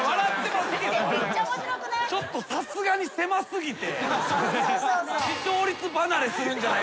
ちょっとさすがにせま過ぎて。